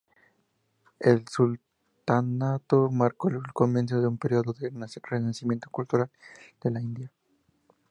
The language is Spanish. El Sultanato marcó el comienzo de un periodo de renacimiento cultural de la India.